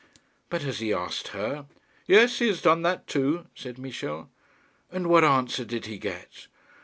'But has he asked her?' 'Yes; he has done that too,' said Michel. 'And what answer did he get?'